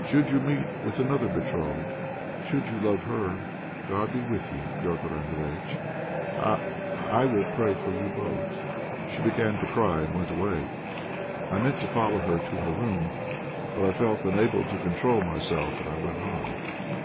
Should you meet with another betrothed, should you love her, God be with you, Petr' Andréjïtch, I I will pray for you both." She began to cry, and went away. I meant to follow her to her room; but I felt unable to control myself, and I went home.